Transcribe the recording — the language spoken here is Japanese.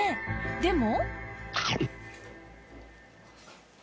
でも